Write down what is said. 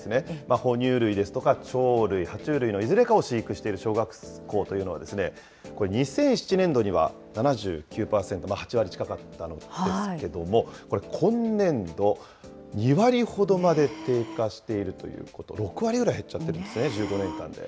哺乳類ですとか、鳥類、は虫類のいずれかを飼育している小学校というのは、２００７年度には７９％、８割近かったのですけども、今年度、２割ほどまで低下しているということ、６割ぐらい減っちゃってるんですね、１５年間で。